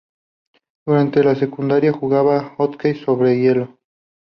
Durante la secundaria jugaba hockey sobre hielo.